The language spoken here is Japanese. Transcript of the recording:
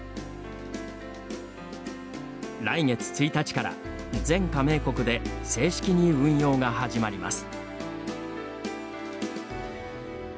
来月１日から全加盟国で正式に運用が始まります。